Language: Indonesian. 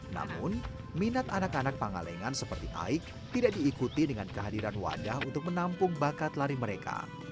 namun minat anak anak pangalengan seperti aik tidak diikuti dengan kehadiran wadah untuk menampung bakat lari mereka